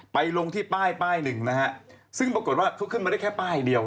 ลงที่ป้ายป้ายหนึ่งนะฮะซึ่งปรากฏว่าเขาขึ้นมาได้แค่ป้ายเดียว